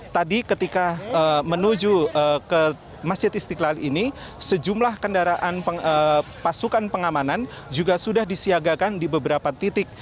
tadi ketika menuju ke masjid istiqlal ini sejumlah kendaraan pasukan pengamanan juga sudah disiagakan di beberapa titik